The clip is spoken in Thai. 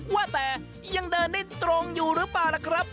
ว่าแต่ยังเดินได้ตรงอยู่หรือเปล่าล่ะครับ